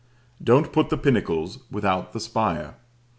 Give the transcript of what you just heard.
Don't put the pinnacles without the spire.